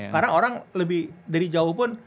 karena orang lebih dari jauh pun